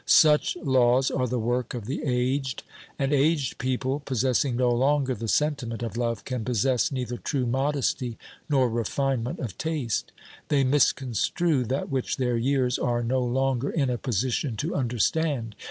Such laws are the work of the aged, and aged people, possessing no longer the sentiment of love, can possess neither true modesty nor refinement of taste. They misconstrue that which their years are no longer in a position to understand.